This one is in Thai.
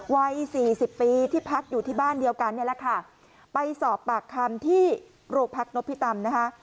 วัยสี่สิบปีที่พักอยู่ที่บ้านเดียวกันนี่แหละค่ะไปสอบปากคำที่โรงพักนพิตำนะคะ